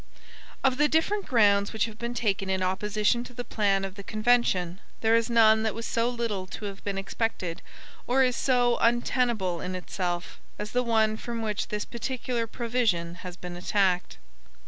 Of the different grounds which have been taken in opposition to the plan of the convention, there is none that was so little to have been expected, or is so untenable in itself, as the one from which this particular provision has been attacked.